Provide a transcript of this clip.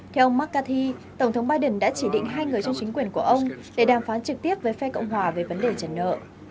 theo ông mccarthy tổng thống biden đã chỉ định hai người trong chính quyền của ông để đàm phán trực tiếp với phe cộng hòa về vấn đề trả nợ